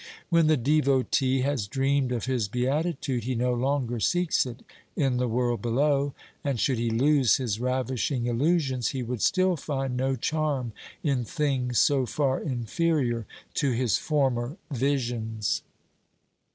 When the devotee has dreamed of his beatitude he 2 B 386 OBERMANN no longer seeks it in the world below, and should he lose his ravishing illusions he would still find no charm in things so far inferior to his former visions.